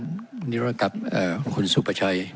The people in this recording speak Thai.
เป็นนิรณกรรมคุณสุภาชัย